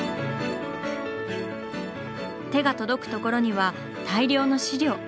手が届くところには大量の資料。